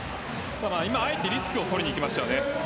今、あえてリスクを取りにいきましたよね。